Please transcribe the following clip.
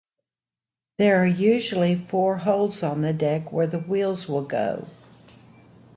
There are usually four holes on the deck where the wheels will go.